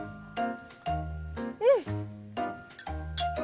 うん！